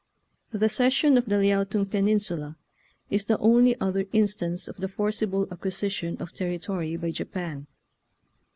The cession of the Liao tung Peninsula is the only other instance of the forcible acqui sition of territory by Japan.